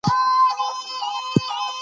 ایوب خان به خپل ځواک تنظیم کاوه.